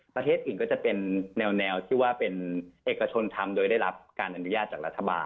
ประเทศอื่นก็จะเป็นแนวที่ว่าเป็นเอกชนทำโดยได้รับการอนุญาตจากรัฐบาล